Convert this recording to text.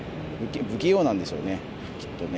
不器用なんでしょうね、きっとね。